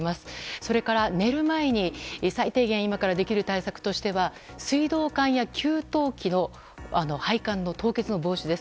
それから寝る前に最低限、今からできる対策としては水道管や給湯器の配管の凍結防止です。